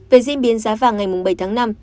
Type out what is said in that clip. về diễn biến giá vàng ngày bảy tháng năm